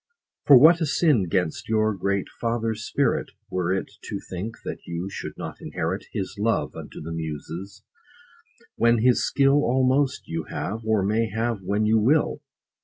For what a sin 'gainst your great father's spirit, Were it to think, that you should not inherit His love unto the Muses, when his skill Almost you have, or may have when you will